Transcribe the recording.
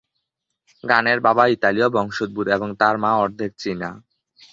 গানের বাবা ইতালীয় বংশোদ্ভূত এবং তার মা অর্ধেক চীনা।